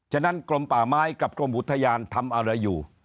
ฉะนั้นกรมป่าไม้กับกรมอุทยานทำอะไรอยู่